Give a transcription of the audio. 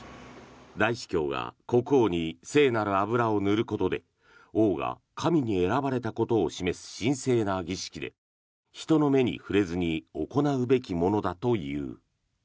大司教が国王に聖なる油を塗ることで王が神に選ばれたことを示す神聖な儀式で人の目に触れずに行うべきものだという。